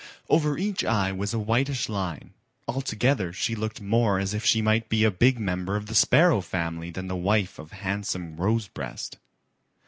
Over each eye was a whitish line. Altogether she looked more as if she might be a big member of the Sparrow family than the wife of handsome Rosebreast.